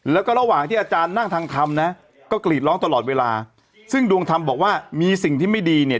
แล้วก็ระหว่างที่อาจารย์นั่งทางธรรมนะก็กรีดร้องตลอดเวลาซึ่งดวงธรรมบอกว่ามีสิ่งที่ไม่ดีเนี่ย